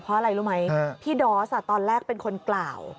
เพราะอะไรรู้ไหมพี่ดอสตอนแรกเป็นคนกล่าว